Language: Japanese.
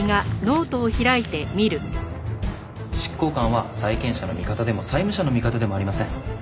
執行官は債権者の味方でも債務者の味方でもありません。